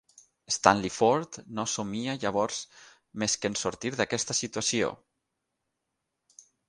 Stanley Ford no somia llavors més que en sortir d'aquesta situació.